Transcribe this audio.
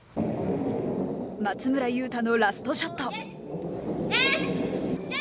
松村雄太のラストショット。